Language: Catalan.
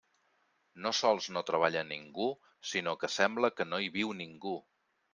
No sols no treballa ningú, sinó que sembla que no hi viu ningú.